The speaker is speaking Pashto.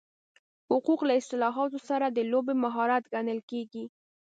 حقوق له اصطلاحاتو سره د لوبې مهارت ګڼل کېږي.